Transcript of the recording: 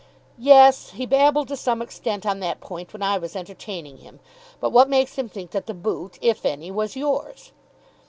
"Yes. He babbled to some extent on that point when I was entertaining him. But what makes him think that the boot, if any, was yours?"